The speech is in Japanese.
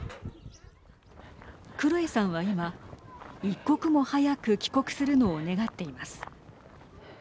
クロエさんは今一刻も早く帰国するのを願っています。